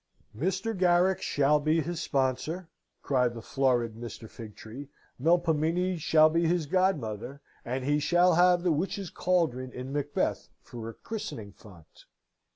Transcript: "Mr. Garrick shall be his sponsor," cried the florid Mr. Figtree. "Melpomene shall be his godmother, and he shall have the witches' caldron in Macbeth for a christening font."